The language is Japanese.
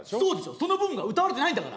その部分が歌われてないんだから。